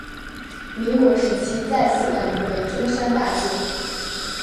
民国时期再次改名为中山大街。